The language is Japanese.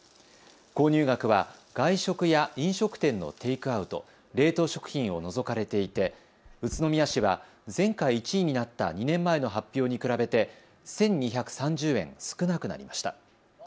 購入額は外食や飲食店のテイクアウト、冷凍食品を除かれていて宇都宮市は前回１位になった２年前の発表に比べて１２３０円少なくなりました。